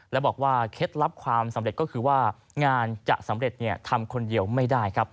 และบอกว่าเคล็ดลับความสำเร็จก็คือว่างานจะสำเร็จทำคนเดียวไม่ได้ครับ